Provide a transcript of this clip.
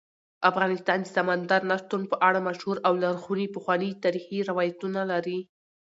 افغانستان د سمندر نه شتون په اړه مشهور او لرغوني پخواني تاریخی روایتونه لري.